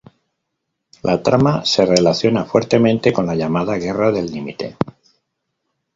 La trama se relaciona fuertemente con la llamada "Guerra del límite".